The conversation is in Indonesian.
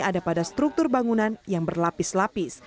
ada pada struktur bangunan yang berlapis lapis